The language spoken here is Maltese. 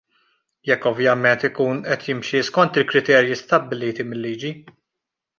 Jekk ovvjament ikun qed jimxi skont il-kriterji stabbiliti mil-liġi.